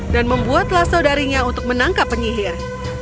dan membuat laso darinya untuk menangkap penyihir